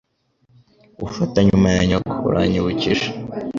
Ufata nyuma ya nyoko. Uranyibukije.